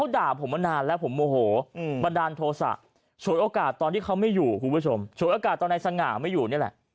โฉดโอกาสตอนที่เขาไม่อยู่คุณผู้ชมโฉดโอกาสตอนในสง่าไม่อยู่นี่แหละ